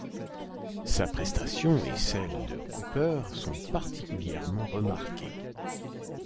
Sa prestation et celle de Cooper sont particulièrement remarquées.